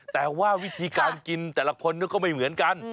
แต่ว่าวิธีการกินแต่ละคนก็ไม่เหมือนกัน